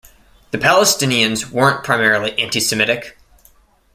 The Palestinians weren't primarily anti-Semitic.